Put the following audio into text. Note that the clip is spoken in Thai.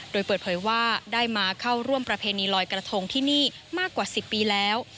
โดยเปิดเผยว่าได้มาเข้าร่วมประเพณีลอยกระทงที่นี่มากกว่า๑๐ปีแล้ว